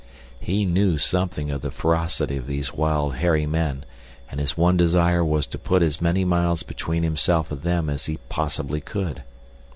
He knew something of the ferocity of these wild, hairy men, and his one desire was to put as many miles between himself and them as he possibly could.